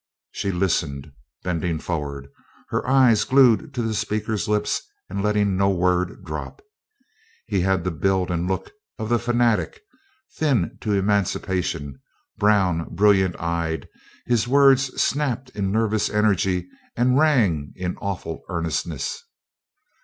She listened, bending forward, her eyes glued to the speaker's lips and letting no word drop. He had the build and look of the fanatic: thin to emancipation; brown; brilliant eyed; his words snapped in nervous energy and rang in awful earnestness.